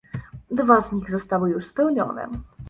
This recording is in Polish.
Dwa z nich zostały już spełnione